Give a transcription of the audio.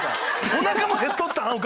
おなかも減っとったん？